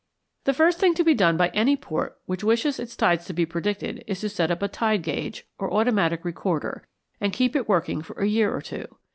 ] The first thing to be done by any port which wishes its tides to be predicted is to set up a tide gauge, or automatic recorder, and keep it working for a year or two.